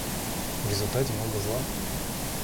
В результате много зла.